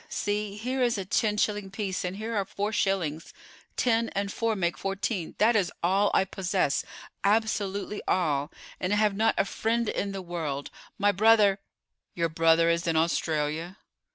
See, here is a ten shilling piece, and here are four shillings. Ten and four make fourteen. That is all I possess, absolutely all, and I have not a friend in the world. My brother——" "Your brother is in Australia?"